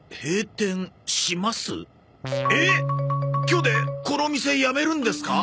今日でこのお店やめるんですか？